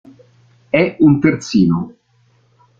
È un terzino.